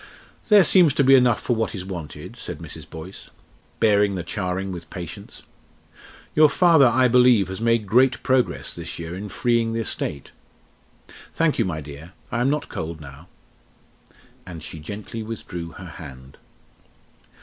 "There seems to be enough for what is wanted," said Mrs. Boyce, bearing the charing with patience. "Your father, I believe, has made great progress this year in freeing the estate. Thank you, my dear. I am not cold now." And she gently withdrew her hand.